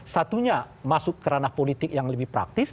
satunya masuk ke ranah politik yang lebih praktis